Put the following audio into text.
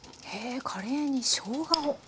へえカレーにしょうがを。